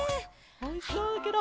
おいしそうケロ。